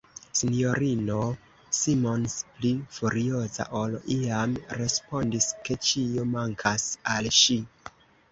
S-ino Simons, pli furioza ol iam, respondis, ke ĉio mankas al ŝi.